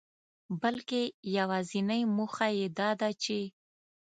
بلکي يوازنۍ موخه يې داده چي